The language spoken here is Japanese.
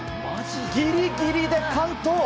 ギリギリで完登！